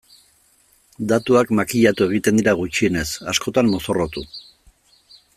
Datuak makillatu egiten dira gutxienez, askotan mozorrotu.